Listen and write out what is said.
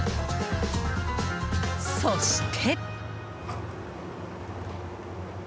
そして。